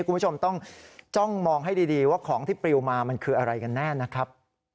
คุณผู้ชมต้องจ้องมองให้ดีว่าของที่ปลิวมามันคืออะไรกันแน่นะครับ